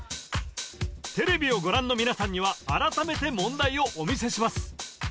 テレビをご覧の皆さんには改めて問題をお見せします